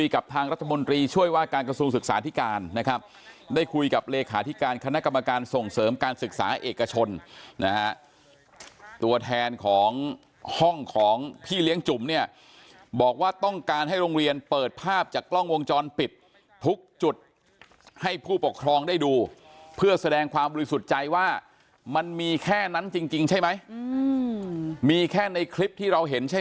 กับทางรัฐมนตรีช่วยว่าการกระทรวงศึกษาธิการนะครับได้คุยกับเลขาธิการคณะกรรมการส่งเสริมการศึกษาเอกชนนะฮะตัวแทนของห้องของพี่เลี้ยงจุ๋มเนี่ยบอกว่าต้องการให้โรงเรียนเปิดภาพจากกล้องวงจรปิดทุกจุดให้ผู้ปกครองได้ดูเพื่อแสดงความบริสุทธิ์ใจว่ามันมีแค่นั้นจริงใช่ไหมมีแค่ในคลิปที่เราเห็นใช่